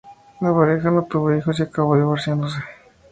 La pareja no tuvo hijos y acabó divorciándose.